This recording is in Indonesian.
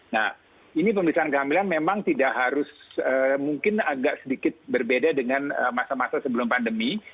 nah ini pemeriksaan kehamilan memang tidak harus mungkin agak sedikit berbeda dengan masa masa sebelum pandemi